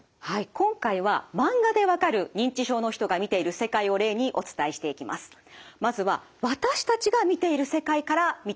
今回はマンガでわかる認知症の人が見ている世界を例にお伝えしていきます。